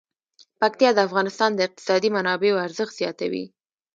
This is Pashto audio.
پکتیا د افغانستان د اقتصادي منابعو ارزښت زیاتوي.